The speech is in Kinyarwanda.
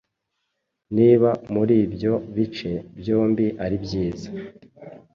niba muri ibyo bice byombi aribyiza